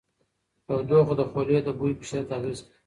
تودوخه د خولې د بوی په شدت اغېز کوي.